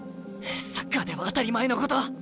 サッカーでは当たり前のこと。